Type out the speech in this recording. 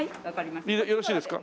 よろしいですか？